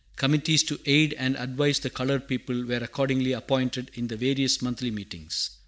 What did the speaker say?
Committees to aid and advise the colored people were accordingly appointed in the various Monthly Meetings.